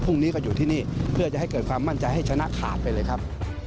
พรุ่งนี้ก็อยู่ที่นี่เพื่อจะให้เกิดความมั่นใจให้ชนะขาดไปเลยครับ